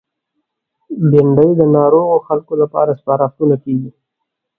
بېنډۍ د ناروغو خلکو لپاره سپارښتنه کېږي